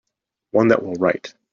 One that will write.